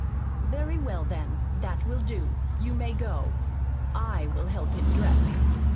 "Very well, then, that will do. You may go. I will help him dress."